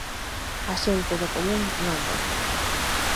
A xente do común non ve.